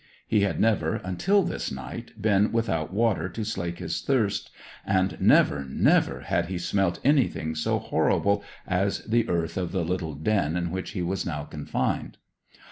He had never, until this night, been without water to slake his thirst; and never, never had he smelt anything so horrible as the earth of the little den in which he was now confined.